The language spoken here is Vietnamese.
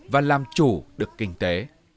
và làm chủ được kinh tế